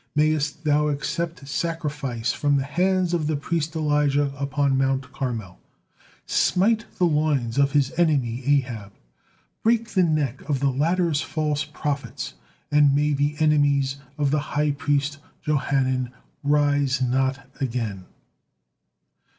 Mayest Thou accept sacrifice from the hands of the priest Elijah upon mount Carmel, 'smite the loins' of his enemy Ahab, break the neck of the latter's false prophets, and may the enemies of the high priest Johanan rise not again."